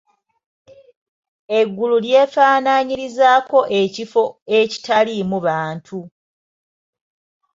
Eggulu lyefaanaanyirizaako ekifo ekitaliimu bantu.